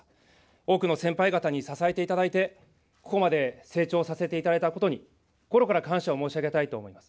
多くの先輩方に支えていただいて、ここまで成長させていただいたことに、心から感謝を申し上げたいと思います。